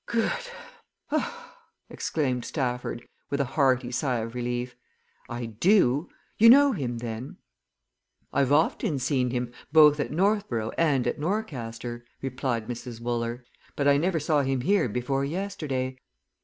"Good!" exclaimed Stafford, with a hearty sigh of relief. "I do! You know him, then?" "I've often seen him, both at Northborough and at Norcaster," replied Mrs. Wooler. "But I never saw him here before yesterday.